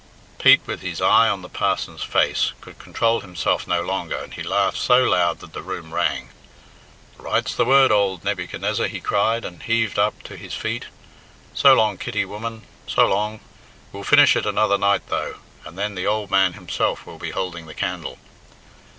Pete, with his eye on the parson's face, could control himself no longer, and he laughed so loud that the room rang. "Right's the word, ould Nebucannezzar," he cried, and heaved up to his feet. "So long, Kitty, woman! S'long! We'll finish it another night though, and then the ould man himself will be houlding the candle."